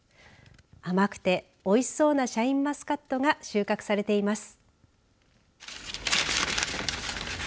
甘くておいしそうなシャインマスカットが収穫されています。